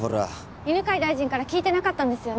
犬飼大臣から聞いてなかったんですよね